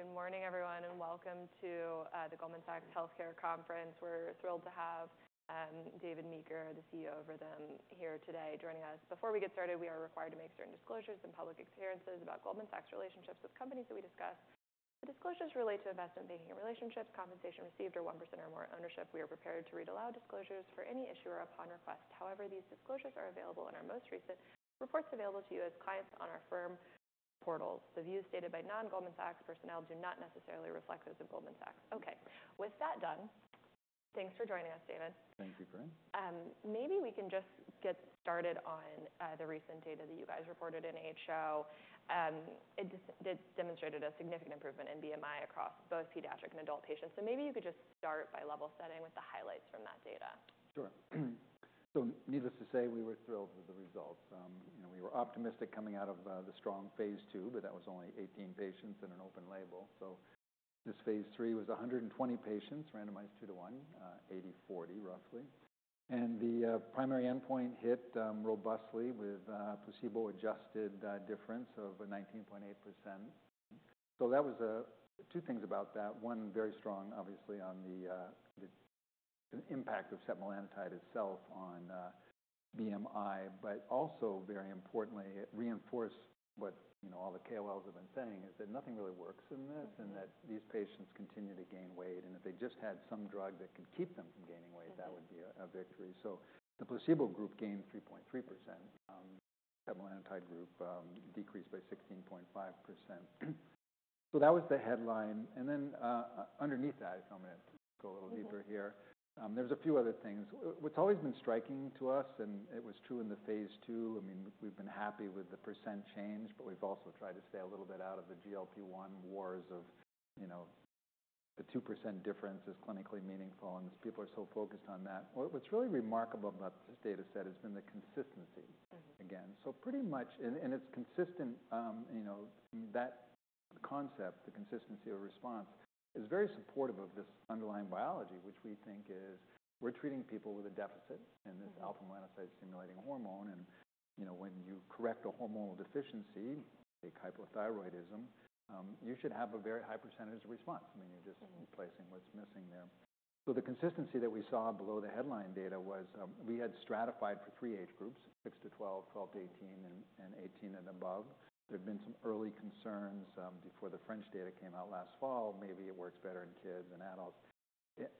Good morning, everyone, and welcome to the Goldman Sachs healthcare conference. We're thrilled to have David Meeker, the CEO of Rhythm, here today joining us. Before we get started, we are required to make certain disclosures and public experiences about Goldman Sachs' relationships with companies that we discuss. The disclosures relate to investment banking relationships, compensation received, or 1% or more ownership. We are prepared to read aloud disclosures for any issue or upon request. However, these disclosures are available in our most recent reports available to you as clients on our firm portals. The views stated by non-Goldman Sachs personnel do not necessarily reflect those of Goldman Sachs. Okay. With that done, thanks for joining us, David. Thank you, Corinne. Maybe we can just get started on the recent data that you guys reported in HO. It demonstrated a significant improvement in BMI across both pediatric and adult patients. Maybe you could just start by level setting with the highlights from that data. Sure. Needless to say, we were thrilled with the results. We were optimistic coming out of the strong phase II, but that was only 18 patients and an open label. This phase III was 120 patients, randomized two to one, 80/40 roughly. The primary endpoint hit robustly with a placebo-adjusted difference of 19.8%. There were two things about that. One, very strong, obviously, on the impact of setmelanotide itself on BMI, but also, very importantly, it reinforced what all the KOLs have been saying, is that nothing really works in this and that these patients continue to gain weight. If they just had some drug that could keep them from gaining weight, that would be a victory. The placebo group gained 3.3%, the setmelanotide group decreased by 16.5%. That was the headline. If I'm going to go a little deeper here, there were a few other things. What's always been striking to us, and it was true in the phase II, I mean, we've been happy with the percentage change, but we've also tried to stay a little bit out of the GLP-1 wars of the 2% difference is clinically meaningful, and people are so focused on that. What's really remarkable about this data set has been the consistency, again. Pretty much, and it's consistent, that concept, the consistency of response, is very supportive of this underlying biology, which we think is we're treating people with a deficit in this alpha-MSH stimulating hormone. When you correct a hormonal deficiency, take hypothyroidism, you should have a very high percentage of response. I mean, you're just replacing what's missing there. The consistency that we saw below the headline data was we had stratified for three age groups, six to 12, 12-18, and 18 and above. There had been some early concerns before the French data came out last fall, maybe it works better in kids and adults.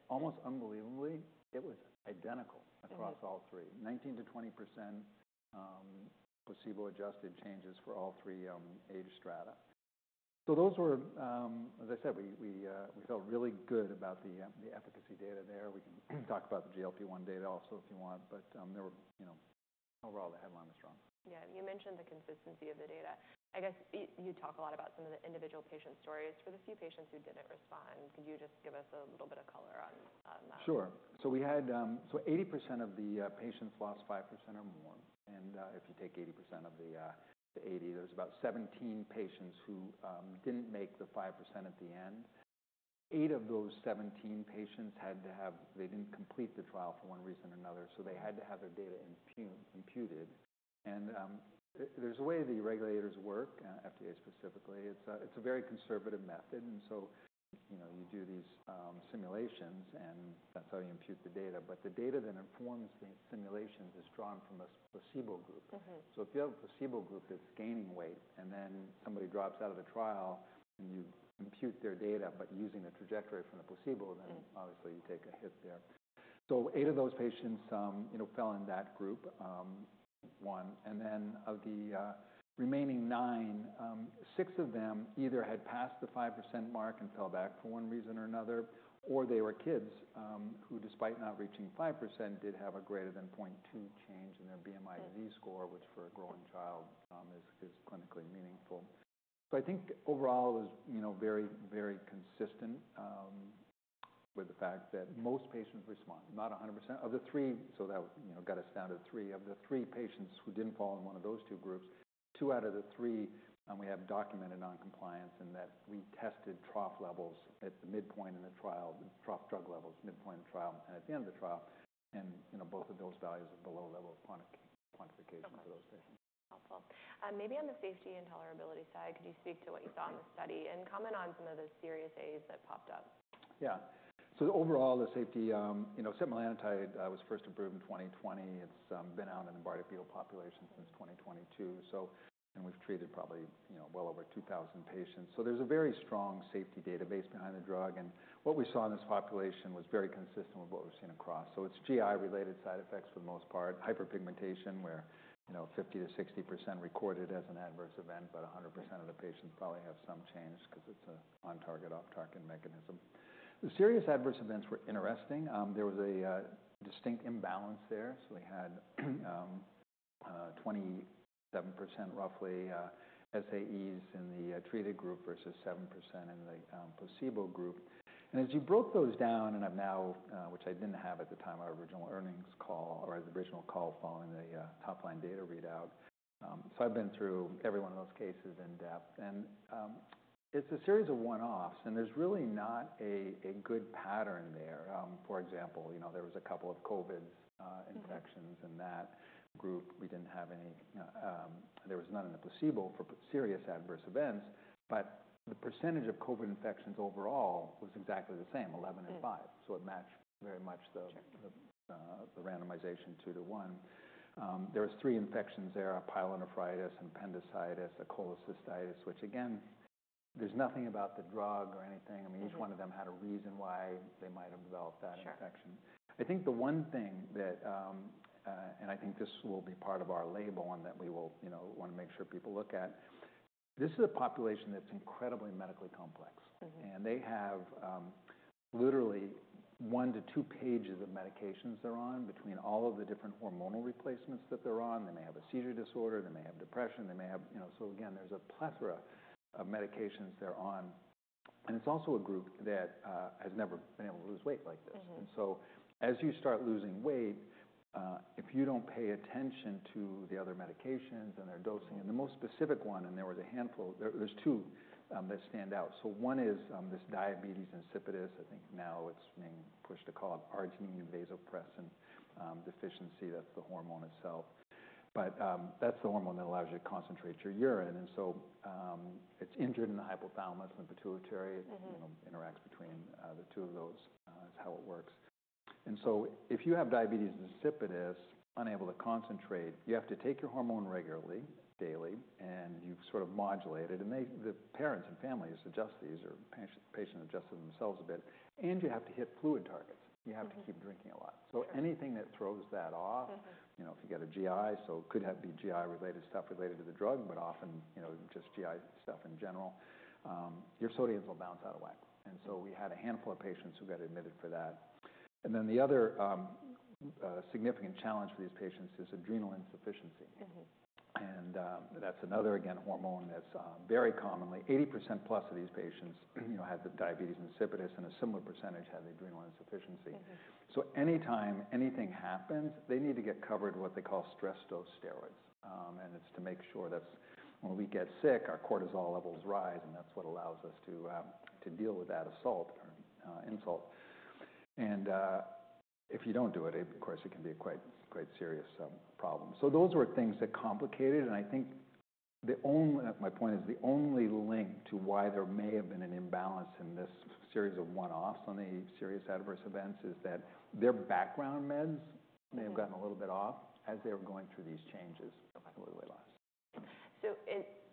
Almost unbelievably, it was identical across all three, 19%-20% placebo-adjusted changes for all three age strata. Those were, as I said, we felt really good about the efficacy data there. We can talk about the GLP-1 data also if you want, but overall, the headline was strong. Yeah. You mentioned the consistency of the data. I guess you talk a lot about some of the individual patient stories. For the few patients who did not respond, could you just give us a little bit of color on that? Sure. We had 80% of the patients lost 5% or more. If you take 80% of the 80%, there were about 17 patients who did not make the 5% at the end. Eight of those 17 patients did not complete the trial for one reason or another, so they had to have their data imputed. There is a way the regulators work, FDA specifically. It is a very conservative method. You do these simulations, and that is how you impute the data. The data that informs the simulations is drawn from a placebo group. If you have a placebo group that is gaining weight, and then somebody drops out of the trial, and you impute their data using the trajectory from the placebo, then obviously you take a hit there. Eight of those patients fell in that group, one. Of the remaining nine, six of them either had passed the 5% mark and fell back for one reason or another, or they were kids who, despite not reaching 5%, did have a greater than 0.2% change in their BMIV score, which for a growing child is clinically meaningful. I think overall, it was very, very consistent with the fact that most patients respond, not 100%. That got us down to three. Of the three patients who did not fall in one of those two groups, two out of the three, we have documented noncompliance in that we tested trough levels at the midpoint in the trial, trough drug levels, midpoint in the trial, and at the end of the trial. Both of those values are below level of quantification for those patients. Okay. Helpful. Maybe on the safety and tolerability side, could you speak to what you saw in the study and comment on some of the SAEs that popped up? Yeah. So overall, the safety of setmelanotide was first approved in 2020. It's been out in the Bardet-Biedl population since 2022. So. And we've treated probably well over 2,000 patients. So there's a very strong safety database behind the drug. What we saw in this population was very consistent with what we've seen across. It's GI-related side effects for the most part, hyperpigmentation, where 50%-60% recorded as an adverse event, but 100% of the patients probably have some change because it's an on-target, off-target mechanism. The serious adverse events were interesting. There was a distinct imbalance there. We had 27% roughly SAEs in the treated group versus 7% in the placebo group. As you broke those down, and I've now, which I didn't have at the time of our original earnings call or original call following the top-line data readout. I've been through every one of those cases in depth. It's a series of one-offs, and there's really not a good pattern there. For example, there was a couple of COVID infections in that group. We didn't have any, there was none in the placebo for serious adverse events, but the percentage of COVID infections overall was exactly the same, 11% and 5%. It matched very much the randomization 2%-1%. There were three infections there: pyelonephritis, appendicitis, and cholecystitis, which, again, there's nothing about the drug or anything. I mean, each one of them had a reason why they might have developed that infection. I think the one thing that, and I think this will be part of our label and that we will want to make sure people look at, this is a population that's incredibly medically complex. They have literally one to two pages of medications they're on between all of the different hormonal replacements that they're on. They may have a seizure disorder. They may have depression. They may have, so again, there's a plethora of medications they're on. It's also a group that has never been able to lose weight like this. As you start losing weight, if you don't pay attention to the other medications and their dosing, and the most specific one, and there was a handful, there's two that stand out. One is this diabetes insipidus. I think now it's being pushed to call it arginine vasopressin deficiency. That's the hormone itself. That's the hormone that allows you to concentrate your urine. It's injured in the hypothalamus and the pituitary. It interacts between the two of those is how it works. If you have diabetes insipidus, unable to concentrate, you have to take your hormone regularly, daily, and you've sort of modulated. The parents and families adjust these or patients adjust themselves a bit. You have to hit fluid targets. You have to keep drinking a lot. Anything that throws that off, if you got a GI, so it could be GI-related stuff related to the drug, but often just GI stuff in general, your sodium will bounce out of whack. We had a handful of patients who got admitted for that. The other significant challenge for these patients is adrenal insufficiency. That's another, again, hormone that's very commonly 80%+ of these patients had the diabetes insipidus, and a similar percentage had adrenal insufficiency. Anytime anything happens, they need to get covered with what they call stress dose steroids. It is to make sure that when we get sick, our cortisol levels rise, and that is what allows us to deal with that insult. If you do not do it, of course, it can be a quite serious problem. Those were things that complicated. I think my point is the only link to why there may have been an imbalance in this series of one-offs on the serious adverse events is that their background meds may have gotten a little bit off as they were going through these changes with weight loss.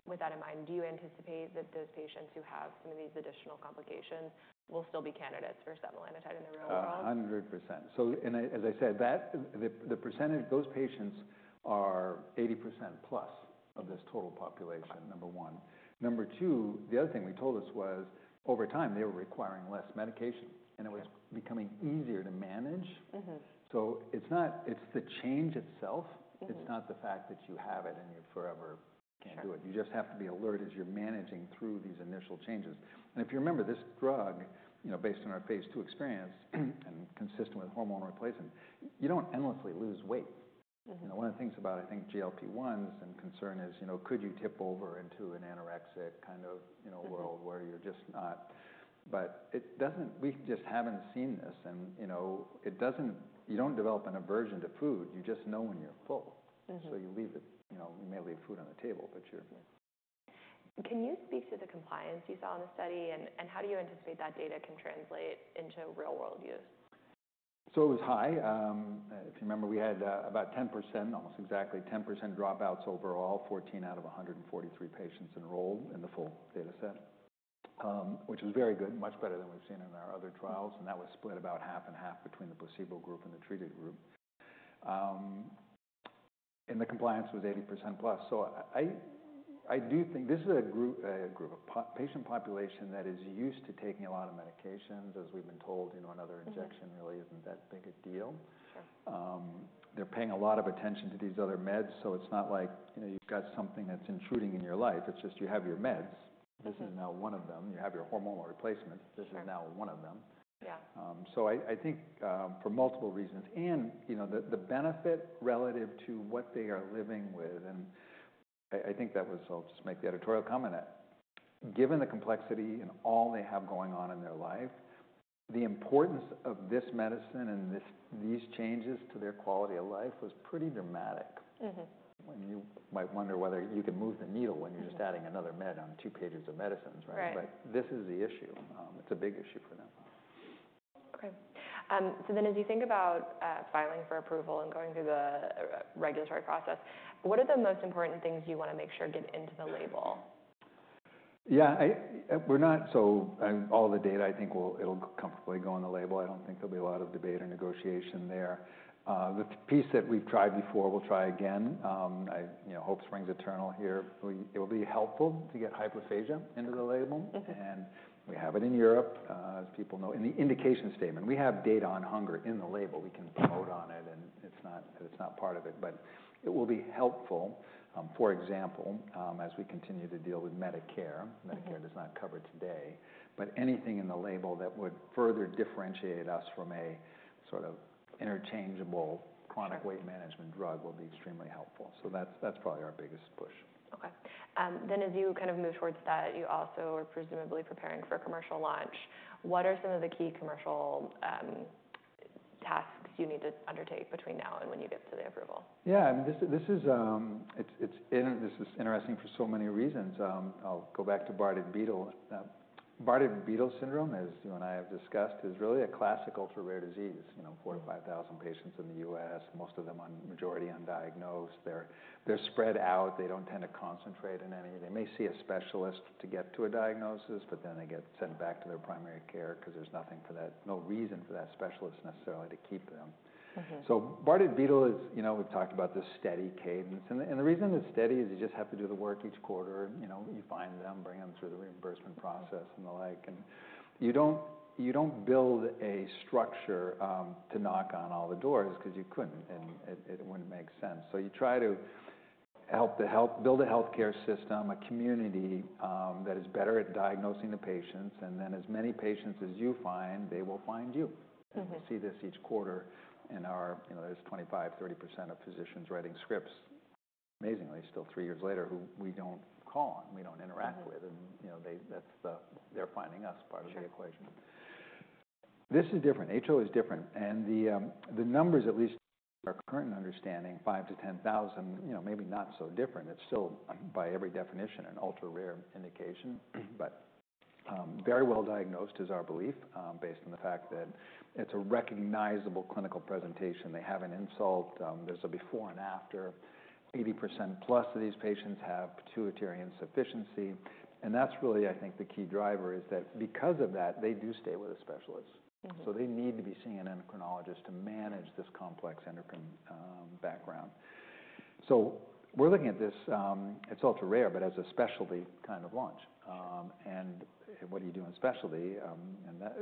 With that in mind, do you anticipate that those patients who have some of these additional complications will still be candidates for setmelanotide in the real world? 100%. As I said, the percentage of those patients are 80%+ of this total population, number one. Number two, the other thing we told us was over time, they were requiring less medication, and it was becoming easier to manage. It is the change itself. It is not the fact that you have it and you forever cannot do it. You just have to be alert as you are managing through these initial changes. If you remember, this drug, based on our phase II experience and consistent with hormone replacement, you do not endlessly lose weight. One of the things about, I think, GLP-1s and concern is, could you tip over into an anorexic kind of world where you are just not? We just have not seen this. You do not develop an aversion to food. You just know when you are full. You leave it. You may leave food on the table, but you're. Can you speak to the compliance you saw in the study, and how do you anticipate that data can translate into real-world use? It was high. If you remember, we had about 10%, almost exactly 10% dropouts overall, 14 out of 143 patients enrolled in the full data set, which was very good, much better than we've seen in our other trials. That was split about half and half between the placebo group and the treated group. The compliance was 80%+. I do think this is a group of patient population that is used to taking a lot of medications, as we've been told. Another injection really isn't that big a deal. They're paying a lot of attention to these other meds. It's not like you've got something that's intruding in your life. It's just you have your meds. This is now one of them. You have your hormonal replacement. This is now one of them. I think for multiple reasons. The benefit relative to what they are living with, I think that was, I'll just make the editorial comment that given the complexity and all they have going on in their life, the importance of this medicine and these changes to their quality of life was pretty dramatic. You might wonder whether you can move the needle when you're just adding another med on two pages of medicines, right? This is the issue. It's a big issue for them. Okay. So then as you think about filing for approval and going through the regulatory process, what are the most important things you want to make sure get into the label? Yeah. So all the data, I think it'll comfortably go on the label. I don't think there'll be a lot of debate or negotiation there. The piece that we've tried before, we'll try again. Hope springs eternal here. It will be helpful to get hyperphagia into the label. And we have it in Europe, as people know. In the indication statement, we have data on hunger in the label. We can vote on it, and it's not part of it. It will be helpful, for example, as we continue to deal with Medicare. Medicare does not cover today. Anything in the label that would further differentiate us from a sort of interchangeable chronic weight management drug will be extremely helpful. That's probably our biggest push. Okay. Then as you kind of move towards that, you also are presumably preparing for commercial launch. What are some of the key commercial tasks you need to undertake between now and when you get to the approval? Yeah. I mean, this is interesting for so many reasons. I'll go back to Bardet-Biedl. Bardet-Biedl syndrome, as you and I have discussed, is really a classic ultra-rare disease. 4,000, 5,000 patients in the U.S., most of them majority undiagnosed. They're spread out. They don't tend to concentrate in any. They may see a specialist to get to a diagnosis, but then they get sent back to their primary care because there's nothing for that, no reason for that specialist necessarily to keep them. So Bardet-Biedl, we've talked about the steady cadence. The reason it's steady is you just have to do the work each quarter. You find them, bring them through the reimbursement process and the like. You don't build a structure to knock on all the doors because you couldn't, and it wouldn't make sense. You try to help build a healthcare system, a community that is better at diagnosing the patients. And then as many patients as you find, they will find you. We see this each quarter in our, there's 25%, 30% of physicians writing scripts, amazingly, still three years later, who we don't call on, we don't interact with. That's the they're finding us part of the equation. This is different. HO is different. The numbers, at least our current understanding, 5,000-10,000, maybe not so different. It's still, by every definition, an ultra-rare indication, but very well diagnosed is our belief based on the fact that it's a recognizable clinical presentation. They have an insult. There's a before and after. 80%+ of these patients have pituitary insufficiency. That is really, I think, the key driver is that because of that, they do stay with a specialist. They need to be seeing an endocrinologist to manage this complex endocrine background. We are looking at this. It is ultra-rare, but as a specialty kind of launch. What do you do in specialty?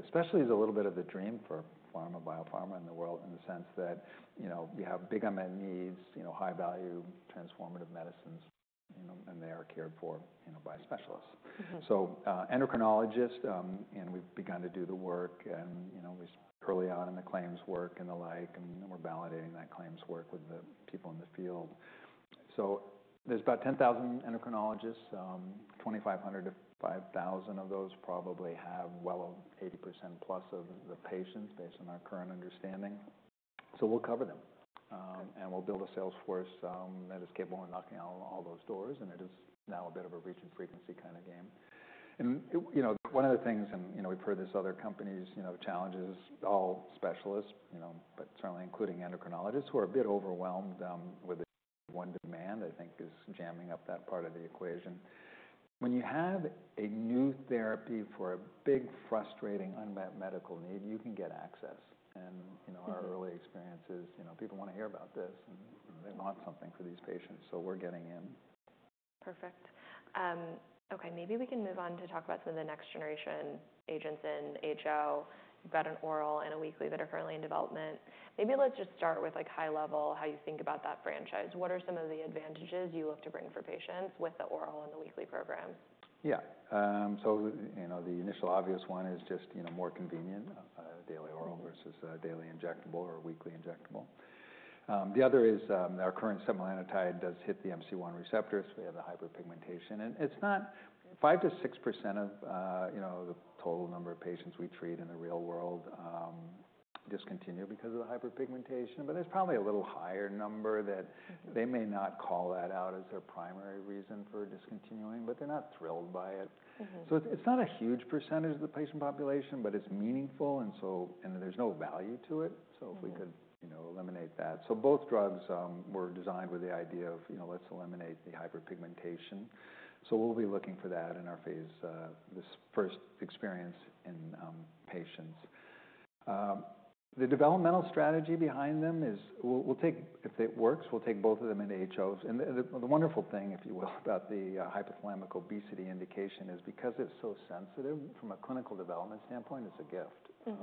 Specialty is a little bit of the dream for pharma/bio-pharma in the world in the sense that you have big unmet needs, high-value transformative medicines, and they are cared for by specialists. Endocrinologist, and we have begun to do the work. We are early on in the claims work and the like, and we are validating that claims work with the people in the field. There are about 10,000 endocrinologists, 2,500-5,000 of those probably have well over 80%+ of the patients based on our current understanding. We will cover them. We will build a salesforce that is capable of knocking on all those doors. It is now a bit of a reach and frequency kind of game. One of the things, and we have heard this with other companies' challenges, all specialists, but certainly including endocrinologists, who are a bit overwhelmed with the one demand, I think, is jamming up that part of the equation. When you have a new therapy for a big, frustrating, unmet medical need, you can get access. Our early experience is people want to hear about this, and they want something for these patients. We are getting in. Perfect. Okay. Maybe we can move on to talk about some of the next-generation agents in HO. You've got an oral and a weekly that are currently in development. Maybe let's just start with high-level how you think about that franchise. What are some of the advantages you hope to bring for patients with the oral and the weekly programs? Yeah. The initial obvious one is just more convenient, daily oral versus daily injectable or weekly injectable. The other is our current setmelanotide does hit the MC1 receptors. We have the hyperpigmentation. It's not 5%-6% of the total number of patients we treat in the real world discontinue because of the hyperpigmentation. There's probably a little higher number that they may not call that out as their primary reason for discontinuing, but they're not thrilled by it. It's not a huge percentage of the patient population, but it's meaningful. There's no value to it. If we could eliminate that. Both drugs were designed with the idea of, let's eliminate the hyperpigmentation. We'll be looking for that in our phase, this first experience in patients. The developmental strategy behind them is we'll take, if it works, we'll take both of them into HOs. The wonderful thing, if you will, about the hypothalamic obesity indication is because it's so sensitive from a clinical development standpoint, it's a gift.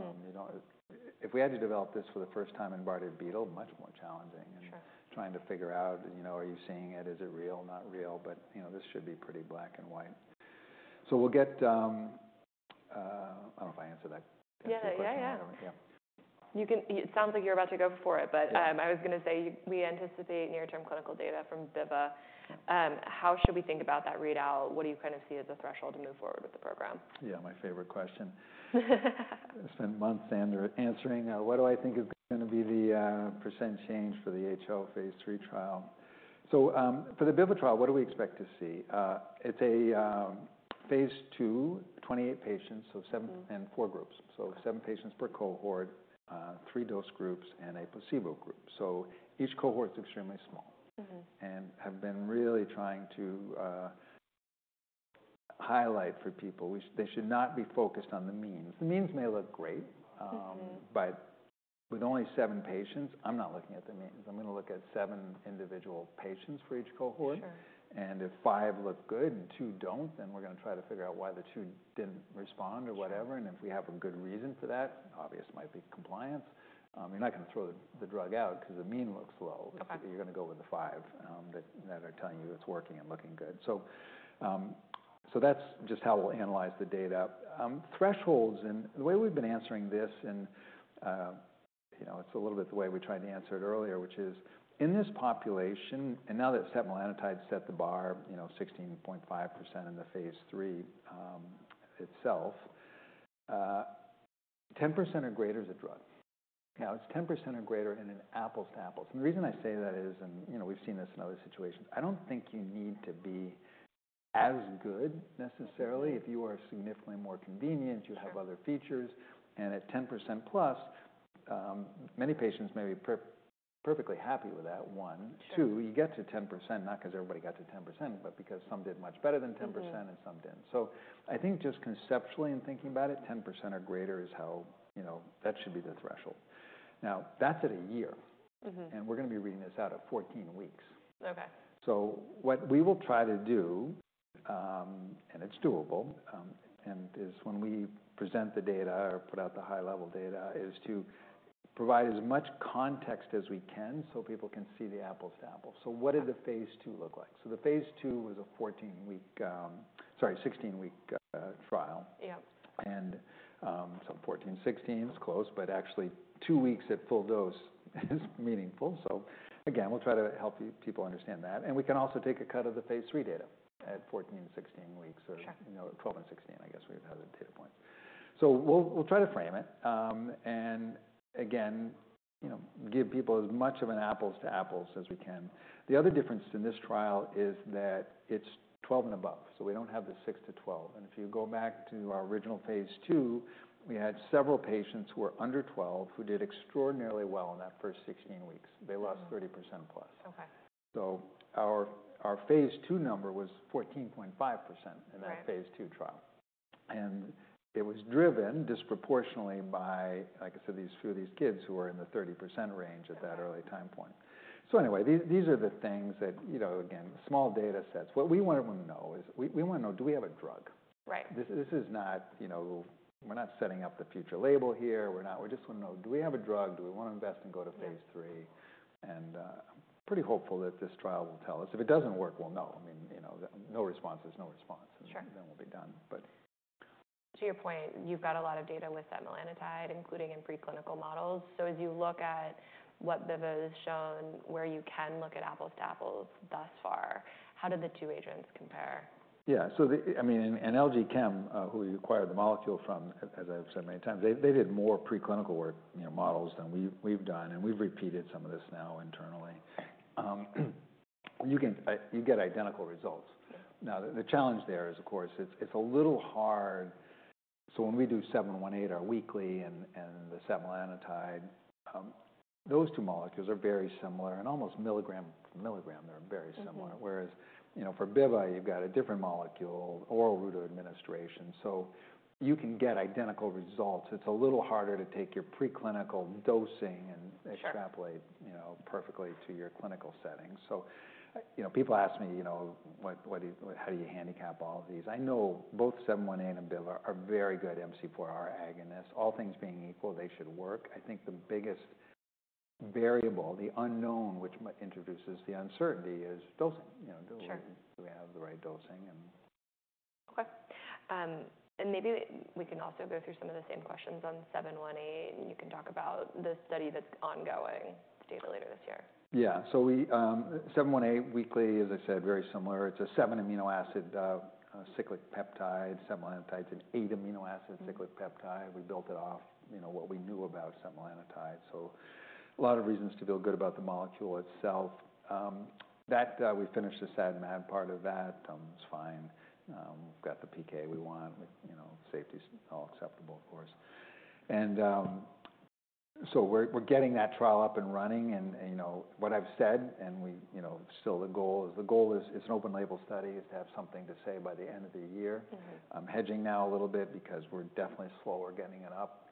If we had to develop this for the first time in Bardet-Biedl, much more challenging and trying to figure out, are you seeing it? Is it real? Not real. This should be pretty black and white. We'll get I don't know if I answered that question. Yeah. Yeah. It sounds like you're about to go for it, but I was going to say we anticipate near-term clinical data from Biva. How should we think about that readout? What do you kind of see as a threshold to move forward with the program? Yeah, my favorite question. I spent months answering. What do I think is going to be the percent change for the HO phase III trial? For the Biva trial, what do we expect to see? It's a phase II, 28 patients, and four groups. Seven patients per cohort, three dose groups, and a placebo group. Each cohort is extremely small. I've been really trying to highlight for people, they should not be focused on the means. The means may look great, but with only seven patients, I'm not looking at the means. I'm going to look at seven individual patients for each cohort. If five look good and two do not, then we're going to try to figure out why the two did not respond or whatever. If we have a good reason for that, obvious might be compliance. You're not going to throw the drug out because the mean looks low. You're going to go with the five that are telling you it's working and looking good. That's just how we'll analyze the data. Thresholds. The way we've been answering this, and it's a little bit the way we tried to answer it earlier, which is in this population, and now that setmelanotide set the bar, 16.5% in the phase III itself, 10% or greater is a drug. Now, it's 10% or greater in an apples-to-apples. The reason I say that is, and we've seen this in other situations, I don't think you need to be as good necessarily. If you are significantly more convenient, you have other features. At 10%+, many patients may be perfectly happy with that. One. Two, you get to 10%, not because everybody got to 10%, but because some did much better than 10% and some did not. I think just conceptually in thinking about it, 10% or greater is how that should be the threshold. Now, that is at a year. We are going to be reading this out at 14 weeks. What we will try to do, and it is doable, is when we present the data or put out the high-level data, to provide as much context as we can so people can see the apples-to-apples. What did the phase II look like? The phase II was a 14-week, sorry, 16-week trial. Fourteen, 16, it is close, but actually two weeks at full dose is meaningful. Again, we will try to help people understand that. We can also take a cut of the phase III data at 14, 16 weeks or 12 and 16, I guess we have other data points. We will try to frame it and, again, give people as much of an apples-to-apples as we can. The other difference in this trial is that it is 12 and above, so we do not have the six to 12. If you go back to our original phase II, we had several patients who were under 12 who did extraordinarily well in that first 16 weeks. They lost 30%+. Our phase II number was 14.5% in that phase II trial, and it was driven disproportionately by, like I said, a few of these kids who were in the 30% range at that early time point. Anyway, these are the things that, again, small data sets. What we want to know is we want to know, do we have a drug? This is not we're not setting up the future label here. We just want to know, do we have a drug? Do we want to invest and go to phase III? I'm pretty hopeful that this trial will tell us. If it doesn't work, we'll know. I mean, no response is no response. Then we'll be done. To your point, you've got a lot of data with setmelanotide, including in preclinical models. So as you look at what Biva has shown, where you can look at apples-to-apples thus far, how did the two agents compare? Yeah. So I mean, in LG Chem, who we acquired the molecule from, as I've said many times, they did more preclinical models than we've done. And we've repeated some of this now internally. You get identical results. Now, the challenge there is, of course, it's a little hard. When we do 718 or weekly and the setmelanotide, those two molecules are very similar. And almost milligram-to-milligram, they're very similar. Whereas for Biva, you've got a different molecule, oral route of administration. You can get identical results. It's a little harder to take your preclinical dosing and extrapolate perfectly to your clinical setting. People ask me, how do you handicap all of these? I know both 718 and Biva are very good MC4R agonists. All things being equal, they should work. I think the biggest variable, the unknown, which introduces the uncertainty is dosing. Do we have the right dosing? Okay. Maybe we can also go through some of the same questions on 718. You can talk about the study that's ongoing later this year. Yeah. 718 weekly, as I said, very similar. It's a seven amino acid cyclic peptide, setmelanotide, and eight amino acid cyclic peptide. We built it off what we knew about setmelanotide. So a lot of reasons to feel good about the molecule itself. We finished the SAD and MAD part of that. It's fine. We've got the PK we want. Safety is all acceptable, of course. We're getting that trial up and running. What I've said, and still the goal is, the goal is it's an open label study, is to have something to say by the end of the year. I'm hedging now a little bit because we're definitely slower getting it up.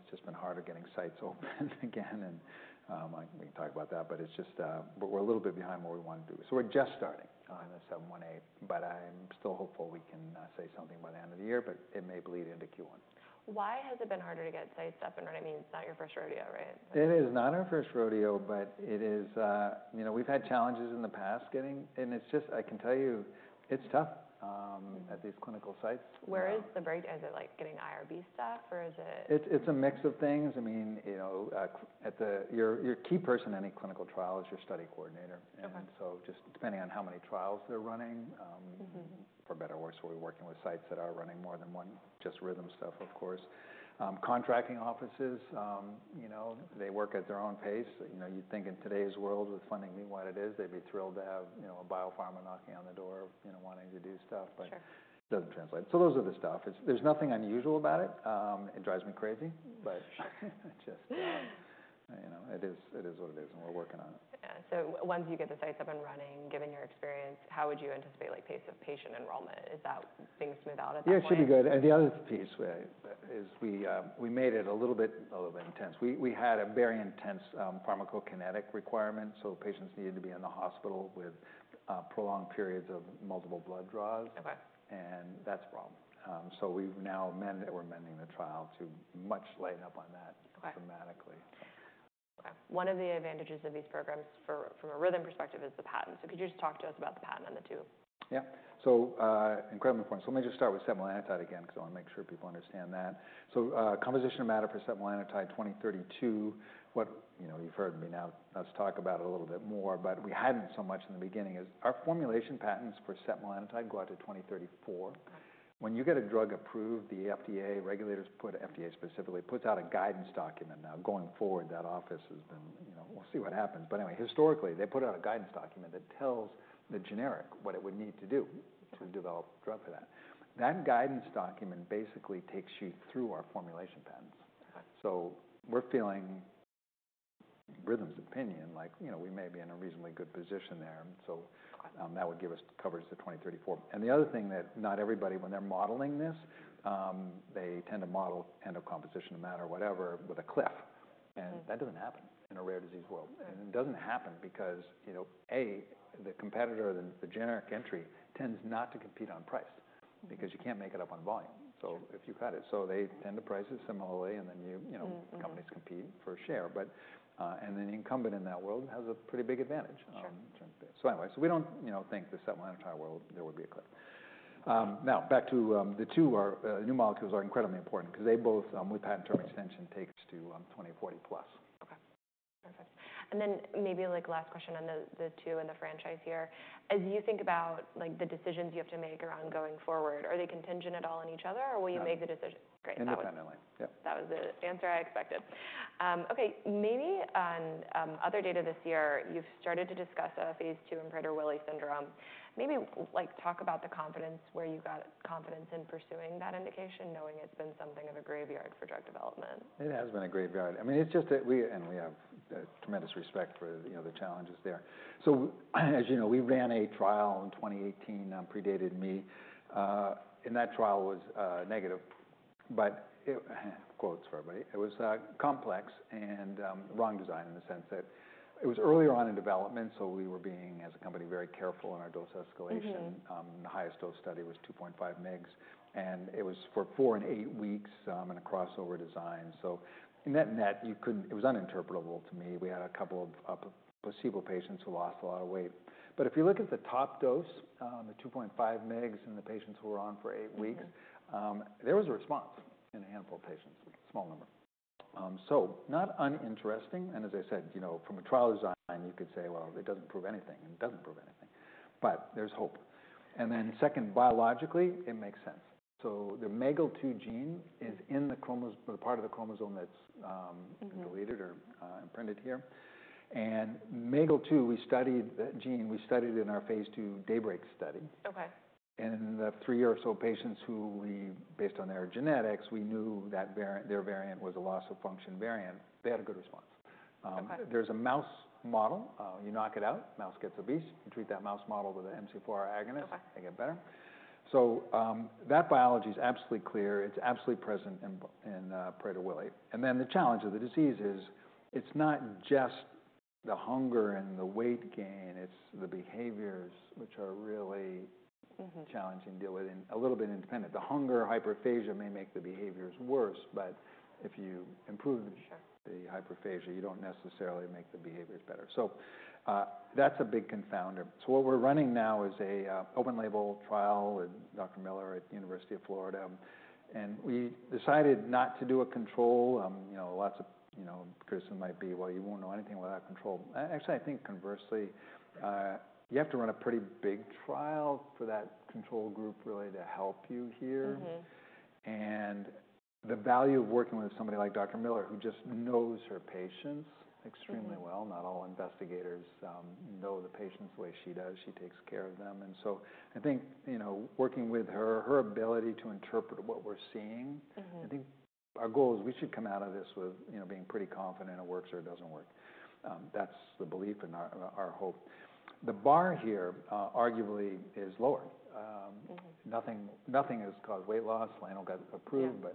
It's just been harder getting sites open again. We can talk about that. It's just we're a little bit behind what we want to do. We're just starting on the 718. I'm still hopeful we can say something by the end of the year, but it may bleed into Q1. Why has it been harder to get sites up and running? I mean, it's not your first rodeo, right? It is not our first rodeo, but it is we've had challenges in the past getting and it's just I can tell you it's tough at these clinical sites. Where is the break? Is it like getting IRB stuff or is it? It's a mix of things. I mean, your key person in any clinical trial is your study coordinator. And so just depending on how many trials they're running, for better or worse, we're working with sites that are running more than one, just Rhythm stuff, of course. Contracting offices, they work at their own pace. You'd think in today's world with funding being what it is, they'd be thrilled to have a biopharma knocking on the door wanting to do stuff. But it doesn't translate. So those are the stuff. There's nothing unusual about it. It drives me crazy, but it is what it is. And we're working on it. Once you get the sites up and running, given your experience, how would you anticipate pace of patient enrollment? Is that things smooth out at the time? Yeah, it should be good. The other piece is we made it a little bit intense. We had a very intense pharmacokinetic requirement. Patients needed to be in the hospital with prolonged periods of multiple blood draws. That is a problem. We have now mended or are mending the trial to much lighten up on that dramatically. Okay. One of the advantages of these programs from a Rhythm perspective is the patent. Could you just talk to us about the patent on the two? Yeah. So incredibly important. Let me just start with setmelanotide again because I want to make sure people understand that. Composition of matter for setmelanotide 2032, what you've heard me now, let's talk about it a little bit more. We had not so much in the beginning is our formulation patents for setmelanotide go out to 2034. When you get a drug approved, the FDA regulators, FDA specifically, puts out a guidance document. Now, going forward, that office has been, we'll see what happens. Anyway, historically, they put out a guidance document that tells the generic what it would need to do to develop a drug for that. That guidance document basically takes you through our formulation patents. We are feeling, Rhythm's opinion, like we may be in a reasonably good position there. That would give us coverage to 2034. The other thing that not everybody, when they're modeling this, they tend to model endocomposition of matter or whatever with a cliff. That does not happen in a rare disease world. It does not happen because, A, the competitor, the generic entry, tends not to compete on price because you cannot make it up on volume. If you cut it, they tend to price it similarly. Companies compete for share. The incumbent in that world has a pretty big advantage in terms of. Anyway, we do not think the setmelanotide world, there would be a cliff. Back to the two new molecules, they are incredibly important because they both, with patent term extension, take to 2040+. Okay. Perfect. Maybe last question on the two and the franchise here. As you think about the decisions you have to make around going forward, are they contingent at all on each other? Will you make the decision? No. Great. Independently. That was the answer I expected. Okay. Maybe on other data this year, you've started to discuss a phase II and Prader-Willi syndrome. Maybe talk about the confidence where you got confidence in pursuing that indication knowing it's been something of a graveyard for drug development. It has been a graveyard. I mean, it's just that we have tremendous respect for the challenges there. As you know, we ran a trial in 2018, predated me. That trial was negative. Quotes for everybody. It was complex and wrong design in the sense that it was earlier on in development. We were being, as a company, very careful in our dose escalation. The highest dose study was 2.5 mg, and it was for four and eight weeks in a crossover design. In that net, it was uninterpretable to me. We had a couple of placebo patients who lost a lot of weight. If you look at the top dose, the 2.5 mg and the patients who were on for eight weeks, there was a response in a handful of patients, small number. Not uninteresting. As I said, from a trial design, you could say, well, it doesn't prove anything. It doesn't prove anything. There is hope. Second, biologically, it makes sense. The MAGEL2 gene is in the part of the chromosome that's deleted or imprinted here. MAGEL2, we studied that gene. We studied it in our phase II DAYBREAK study. In the three or so patients who we, based on their genetics, we knew that their variant was a loss of function variant, they had a good response. There is a mouse model. You knock it out, mouse gets obese. You treat that mouse model with an MC4R agonist, they get better. That biology is absolutely clear. It is absolutely present in Prader-Willi. The challenge of the disease is it's not just the hunger and the weight gain. It's the behaviors which are really challenging to deal with and a little bit independent. The hunger, hyperphagia may make the behaviors worse. If you improve the hyperphagia, you don't necessarily make the behaviors better. That is a big confounder. What we're running now is an open label trial with Dr. Miller at the University of Florida. We decided not to do a control. Lots of criticism might be, well, you won't know anything without control. Actually, I think conversely, you have to run a pretty big trial for that control group really to help you here. The value of working with somebody like Dr. Miller, who just knows her patients extremely well, not all investigators know the patients the way she does. She takes care of them. I think working with her, her ability to interpret what we're seeing, I think our goal is we should come out of this with being pretty confident it works or it doesn't work. That's the belief and our hope. The bar here arguably is lower. Nothing has caused weight loss. LANO got approved, but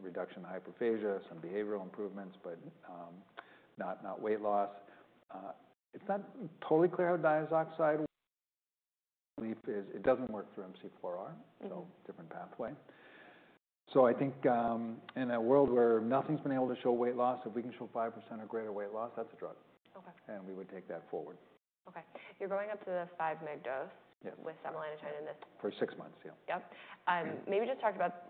reduction in hyperphagia, some behavioral improvements, but not weight loss. It's not totally clear how diazoxide relief is. It doesn't work through MC4R. Different pathway. I think in a world where nothing's been able to show weight loss, if we can show 5% or greater weight loss, that's a drug. We would take that forward. Okay. You're going up to the 5 mg dose with setmelanotide in this. For six months, yeah. Yep. Maybe just talk about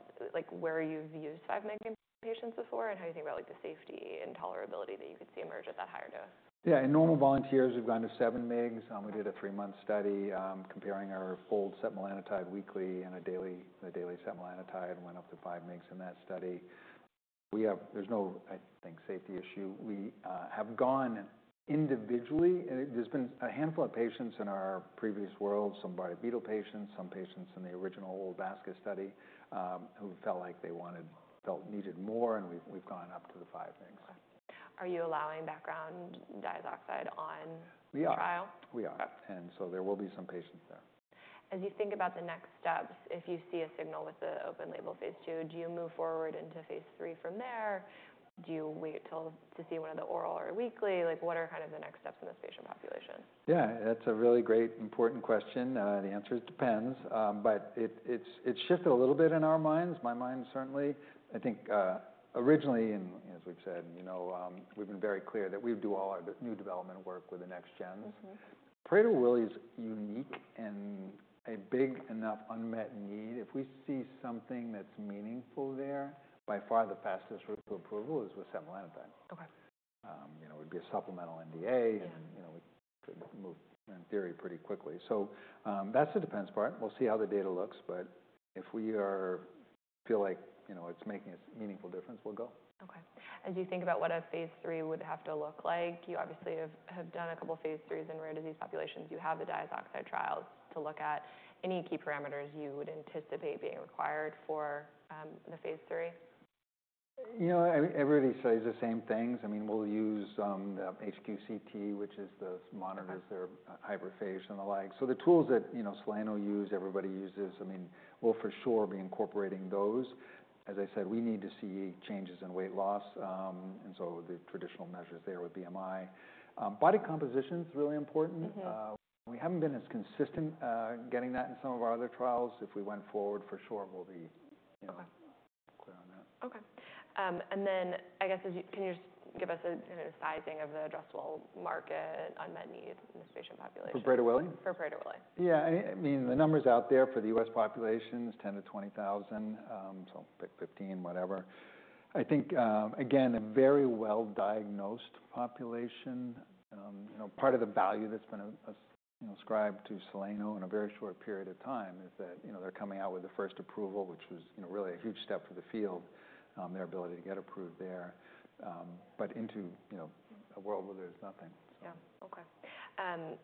where you've used 5 mg in patients before and how you think about the safety and tolerability that you could see emerge at that higher dose. Yeah. In normal volunteers, we've gone to 7 mg. We did a three-month study comparing our full setmelanotide weekly and a daily setmelanotide. Went up to 5 mg in that study. There's no, I think, safety issue. We have gone individually. There's been a handful of patients in our previous world, some Bardet-Biedl patients, some patients in the original old VASCA study who felt like they needed more. And we've gone up to the 5 mg. Are you allowing background diazoxide on the trial? We are. And so there will be some patients there. As you think about the next steps, if you see a signal with the open-label phase II, do you move forward into phase III from there? Do you wait to see one of the oral or weekly? What are kind of the next steps in this patient population? Yeah. That's a really great important question. The answer is depends. But it's shifted a little bit in our minds, my mind certainly. I think originally, as we've said, we've been very clear that we do all our new development work with the next gens. Prader-Willi's unique and a big enough unmet need. If we see something that's meaningful there, by far the fastest route to approval is with setmelanotide. It would be a supplemental NDA. We could move, in theory, pretty quickly. So that's the defense part. We'll see how the data looks. But if we feel like it's making a meaningful difference, we'll go. Okay. As you think about what a phase III would have to look like, you obviously have done a couple of phase IIIs in rare disease populations. You have the diazoxide trials to look at. Any key parameters you would anticipate being required for the phase III? Everybody says the same things. I mean, we'll use the HQCT, which monitors their hyperphagia and the like. The tools that Soleno uses, everybody uses. I mean, we'll for sure be incorporating those. As I said, we need to see changes in weight loss. The traditional measures there would be BMI. Body composition is really important. We haven't been as consistent getting that in some of our other trials. If we went forward, for sure, we'll be clear on that. Okay. I guess can you just give us a kind of sizing of the addressable market unmet need in this patient population? For Prader-Willi? For Prader-Willi. Yeah. I mean, the numbers out there for the U.S. population is 10,000-20,000. So pick 15,000, whatever. I think, again, a very well-diagnosed population. Part of the value that's been ascribed to Soleno in a very short period of time is that they're coming out with the first approval, which was really a huge step for the field, their ability to get approved there. Into a world where there's nothing. Yeah. Okay.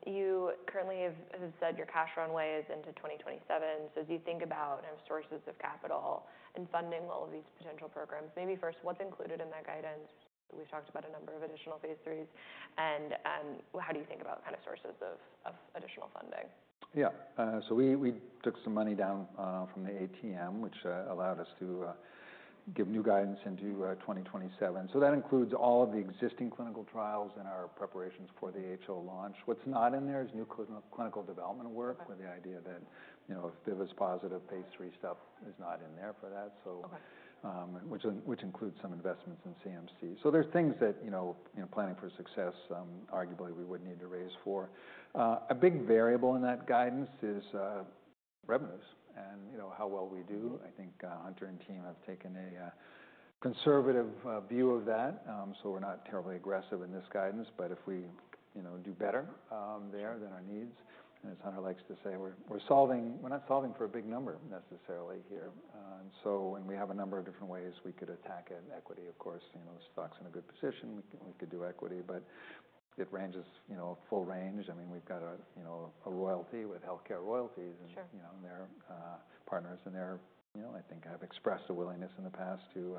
You currently have said your cash runway is into 2027. As you think about kind of sources of capital and funding all of these potential programs, maybe first, what's included in that guidance? We've talked about a number of additional phase IIIs. How do you think about kind of sources of additional funding? Yeah. So we took some money down from the ATM, which allowed us to give new guidance into 2027. That includes all of the existing clinical trials and our preparations for the HO launch. What's not in there is new clinical development work with the idea that if it was positive, phase III stuff is not in there for that, which includes some investments in CMC. There are things that planning for success arguably we would need to raise for. A big variable in that guidance is revenues and how well we do. I think Hunter and team have taken a conservative view of that. We are not terribly aggressive in this guidance. If we do better there than our needs, as Hunter likes to say, we are not solving for a big number necessarily here. When we have a number of different ways we could attack it, equity, of course. Stock's in a good position. We could do equity. It ranges full range. I mean, we've got a royalty with HealthCare Royalty and their partners. I think I've expressed a willingness in the past to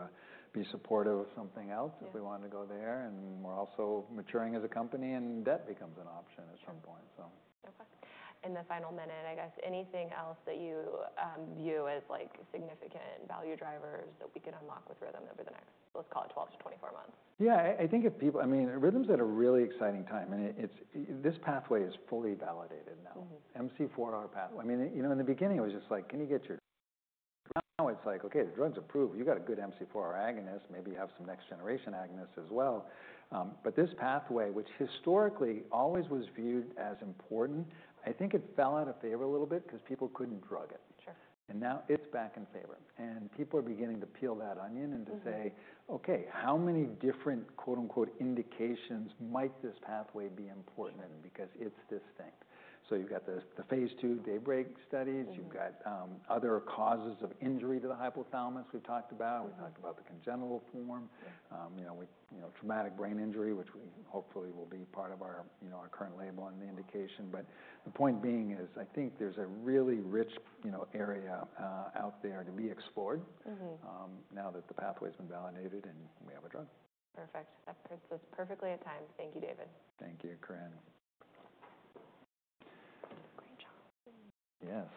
be supportive of something else if we wanted to go there. We're also maturing as a company. Debt becomes an option at some point. Okay. In the final minute, I guess, anything else that you view as significant value drivers that we could unlock with Rhythm over the next, let's call it 12-24 months? Yeah. I think if people, I mean, Rhythm's at a really exciting time. And this pathway is fully validated now. MC4R pathway. I mean, in the beginning, it was just like, can you get your now it's like, okay, the drug's approved. You've got a good MC4R agonist. Maybe you have some next generation agonist as well. But this pathway, which historically always was viewed as important, I think it fell out of favor a little bit because people couldn't drug it. Now it's back in favor. People are beginning to peel that onion and to say, okay, how many different quote unquote indications might this pathway be important in because it's this thing? You've got the phase II DAYBREAK studies. You've got other causes of injury to the hypothalamus we've talked about. We talked about the congenital form, traumatic brain injury, which hopefully will be part of our current label and the indication. The point being is I think there's a really rich area out there to be explored now that the pathway has been validated and we have a drug. Perfect. That fits us perfectly at time. Thank you, David. Thank you, Corinne. Great job. Yes.